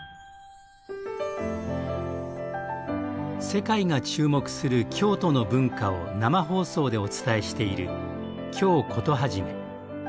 世界が注目する京都の文化を生放送でお伝えしている「京コトはじめ」。